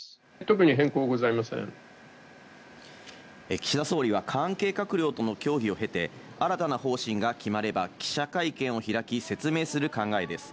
岸田総理は関係閣僚との協議を経て新たな方針が決まれば記者会見を開き説明する考えです。